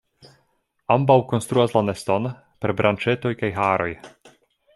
Ambaŭ konstruas la neston per branĉetoj kaj haroj.